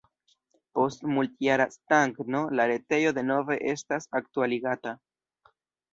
Post multjara stagno la retejo denove estas aktualigata.